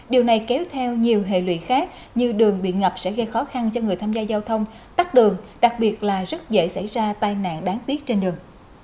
điều này kéo theo nhiều hệ lụy khác như đường bị ngập sẽ gây khó khăn cho người tham gia giao thông tắt đường đặc biệt là rất dễ xảy ra tai nạn đáng tiếc trên đường